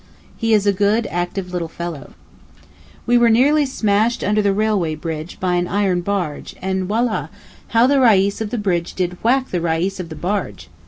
He is a good, active little fellow. We were nearly smashed under the railway bridge by an iron barge—and Wallah! how the Reis of the bridge did whack the Reis of the barge.